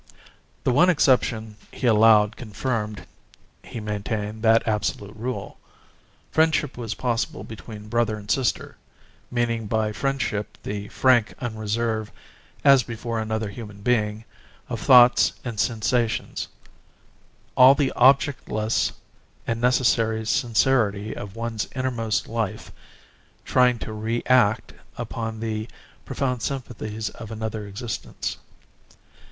The one exception he allowed confirmed, he maintained, that absolute rule. Friendship was possible between brother and sister, meaning by friendship the frank unreserve, as before another human being, of thoughts and sensations; all the objectless and necessary sincerity of one's innermost life trying to re act upon the profound sympathies of another existence.